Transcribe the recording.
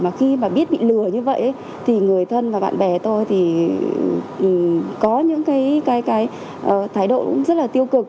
mà khi mà biết bị lừa như vậy thì người thân và bạn bè tôi thì có những cái thái độ cũng rất là tiêu cực